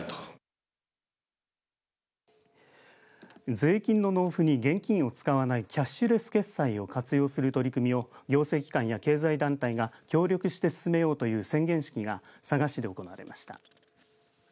税金の納付に現金を使わないキャッシュレス決済を活用する取り組みを行政機関や経済団体が協力して進めようという宣言式が佐賀市で行われました。